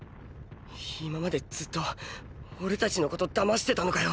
今までずっと俺たちのこと騙してたのかよ。